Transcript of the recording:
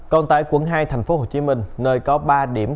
còn tại quận hai tp hcm nơi có ba điểm